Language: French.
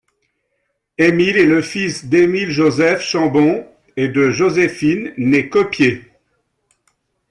Émile est le fils d’Émile-Joseph Chambon et de Joséphine née Coppier.